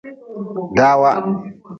Dawa.